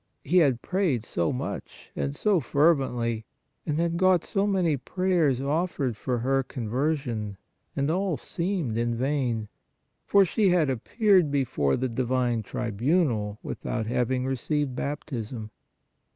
He had prayed so much and so fervently, and had got so many prayers offered for her con version, and all seemed in vain, for she had ap peared before the divine tribunal without having received baptism.